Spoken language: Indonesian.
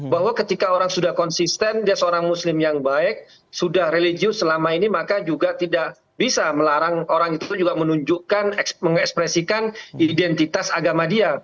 bahwa ketika orang sudah konsisten dia seorang muslim yang baik sudah religius selama ini maka juga tidak bisa melarang orang itu juga menunjukkan mengekspresikan identitas agama dia